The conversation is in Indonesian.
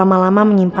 putul kecap ternyata